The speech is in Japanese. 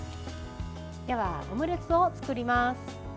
ではオムレツを作ります。